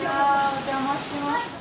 お邪魔します。